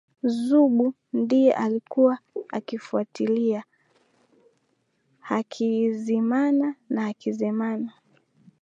Zugu ndiye alikuwa akiwafuatilia Hakizimana na Hakizemana